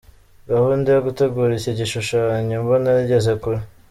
Gahunda yo gutegura iki gishushanyo mbonera igeze kure.